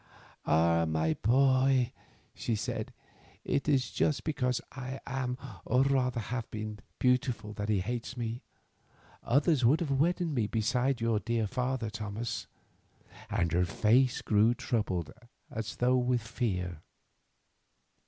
"Ah! my boy," she said, "it is just because I am, or rather have been, beautiful that he hates me. Others would have wedded me besides your dear father, Thomas." And her face grew troubled as though with fear.